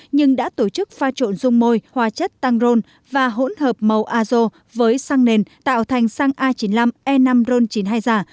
nhưng đã tổ chức pha trộn dung môi hòa chất tăng rôn và hỗn hợp màu azo với xăng nền tạo thành xăng a chín mươi năm e năm ron chín mươi hai giả